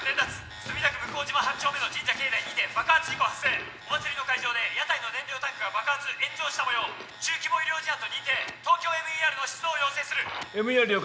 墨田区向島８丁目の神社境内にて爆発事故発生お祭りの会場で屋台の燃料タンクが爆発炎上したもよう中規模医療事案と認定ＴＯＫＹＯＭＥＲの出動を要請するＭＥＲ了解